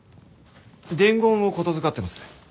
伝言を言付かってます。